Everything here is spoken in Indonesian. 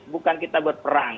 bukan kita berperang